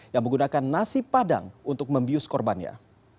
yang menggunakan nasi padang untuk membius korbannya